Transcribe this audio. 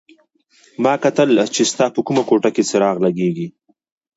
ما کتل چې ستا په کومه کوټه کې څراغ لګېږي.